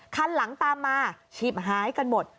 คันหลังตามมาฉีบหายกันหมด